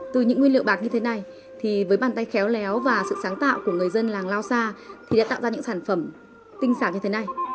từ những nguyên liệu bạc như thế này thì với bàn tay khéo léo và sự sáng tạo của người dân làng lao sa thì đã tạo ra những sản phẩm